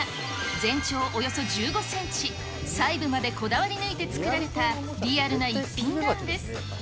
全長およそ１５センチ、細部までこだわり抜いて作られたリアルな一品なんです。